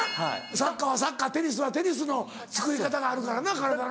サッカーはサッカーテニスはテニスのつくり方があるからな体の。